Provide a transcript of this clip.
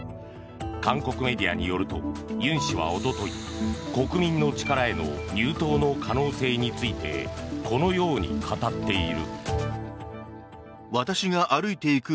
韓国メディアによるとユン氏はおととい国民の力への入党の可能性についてこのように語っている。